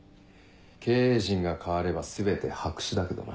経営陣が変われば全て白紙だけどな。